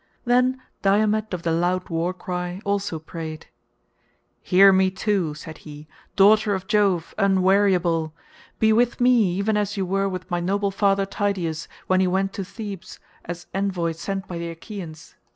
Then Diomed of the loud war cry also prayed: "Hear me too," said he, "daughter of Jove, unweariable; be with me even as you were with my noble father Tydeus when he went to Thebes as envoy sent by the Achaeans.